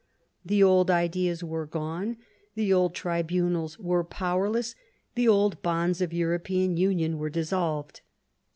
The old ideas were gone, the old tribunals were powerless, the old bonds of European union were dissolved.